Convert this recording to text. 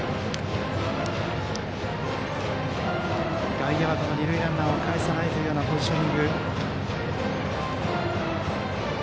外野は、この二塁ランナーをかえさないというポジショニング。